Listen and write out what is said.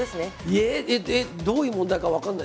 えっえっどういう問題か分かんない。